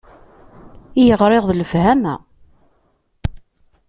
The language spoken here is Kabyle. I yeɣriɣ d lefhama.